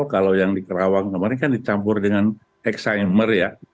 kalau yang di kerawang kemarin kan dicampur dengan excimer ya